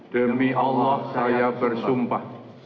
demi allah saya bersumpah